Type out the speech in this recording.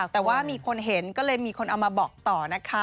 แต่ว่ามีคนเห็นก็เลยมีคนเอามาบอกต่อนะคะ